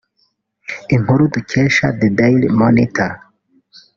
Inkuru dukesha the Daily Monitor